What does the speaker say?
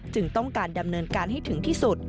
ต้องการดำเนินการให้ถึงที่สุด